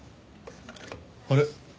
あれ？